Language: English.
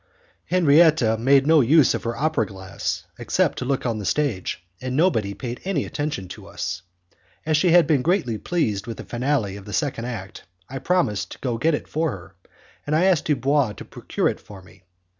Henriette made no use of her opera glass except to look on the stage, and nobody paid any attention to us. As she had been greatly pleased with the finale of the second act, I promised to get it for her, and I asked Dubois to procure it for me.